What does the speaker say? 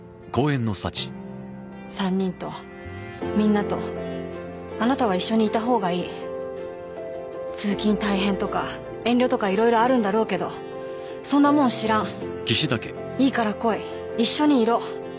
３人とみんなとあなたは一緒にいた通勤大変とか遠慮とかいろいろあるんだろうけどそんなもん知らんいいから来い一緒にいろ